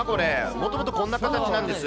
もともとこんな形なんです。